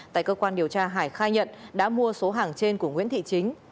tại cơ quan điều tra hải khai nhận đã mua số hàng trên của nguyễn thị chính